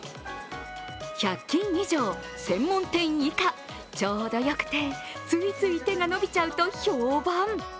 １００均以上、専門店以下ちょうどよくて、次々手が伸びちゃうと評判。